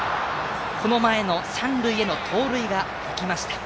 この前の三塁への盗塁が生きました。